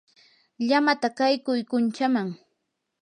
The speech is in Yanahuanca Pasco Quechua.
llamata qaykuy kunchaman.